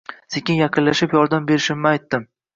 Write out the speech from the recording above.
Sekin yaqinlashib, yordam berishimni aytdim